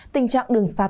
tình trạng đường xa tầm